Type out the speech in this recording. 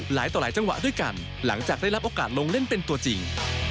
หลายต่อหลายจังหวะด้วยกันหลังจากได้รับโอกาสลงเล่นเป็นตัวจริง